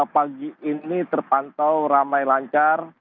pagi ini terpantau ramai lancar